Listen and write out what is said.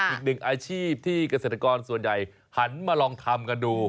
อีกหนึ่งอาชีพที่เกษตรกรส่วนใหญ่หันมาลองทำกันดู